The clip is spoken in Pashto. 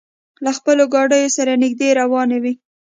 له خپلو ګاډیو سره نږدې روانې وې.